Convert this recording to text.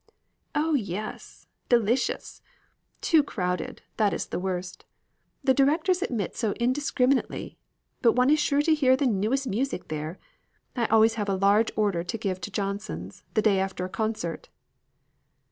"Oh, yes! Delicious! Too crowded, that is the worst. The directors admit so indiscriminately. But one is sure to hear the newest music there. I always have a large order to give to Johnson's, the day after a concert."